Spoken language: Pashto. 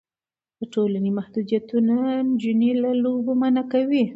د ټولنې محدودیتونه نجونې له لوبو منع کوي.